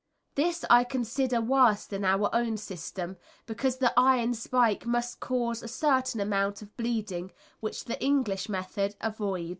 This I consider worse than our own system, because the iron spike must cause a certain amount of bleeding, which the English method avoids.